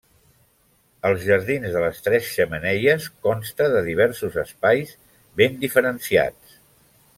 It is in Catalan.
Els jardins de les Tres Xemeneies consta de diversos espais ben diferenciats.